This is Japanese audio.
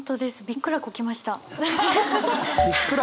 びっくらこきました。